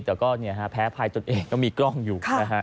แต่ก็แพ้ภัยตนเองก็มีกล้องอยู่นะฮะ